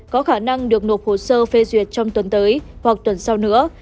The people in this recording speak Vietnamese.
có khả năng được nộp hồ sơ phê duyệt trong tuần tới hoặc tuần sau nữa